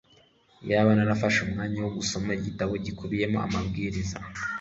iyaba narafashe umwanya wo gusoma igitabo gikubiyemo amabwiriza